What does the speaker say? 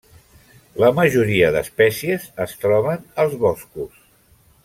La majoria d’espècies es troben als boscos.